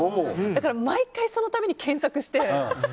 だから毎回その度に検索して。